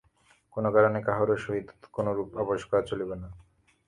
কোন কারণে কাহারও সহিত কোনরূপ আপস করা চলিবে না।